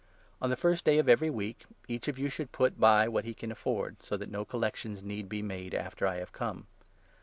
On the first 2 at Jerusalem. ^^ Qf every week each of yOU should put by what he can afford, so that no collections need be made after I have come.